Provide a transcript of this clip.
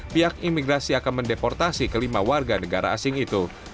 pihak imigrasi akan mendeportasi kelima warga negara asing itu